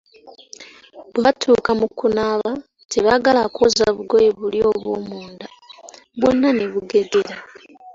Bwe batuuka mu kunaaba, tebaagala kwoza bugoye buli obw'omunda, bwonna ne bugegera.